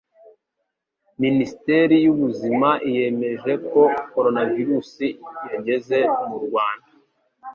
Minisiteri y'Ubuzima yemeje ko Coronavirus yageze mu Rwanda.